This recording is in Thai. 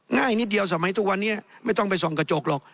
ง่ายนิดเดียวสมัยทุกวันนี้ไม่ต้องไปส่องกระจกหรอก